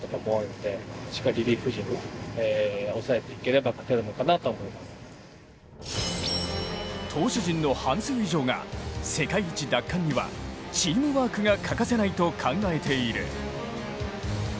令和の怪物、佐々木朗希は投手陣の半数以上が世界一奪還にはチームワークが欠かせないと考えている。